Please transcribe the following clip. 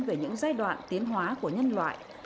về những giai đoạn tiến hóa của nhân loại